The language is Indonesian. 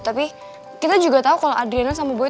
tapi kita juga tau kalau adriana sama boy